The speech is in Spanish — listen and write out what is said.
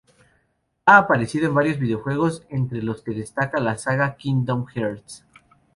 Ha aparecido en varios videojuegos, entre los que destaca la saga "Kingdom Hearts".